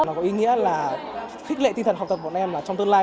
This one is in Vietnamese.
nó có ý nghĩa là khích lệ tinh thần học tập bọn em là trong tương lai